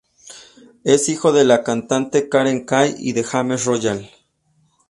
Es hijo de la cantante Karen Kay y de James Royal.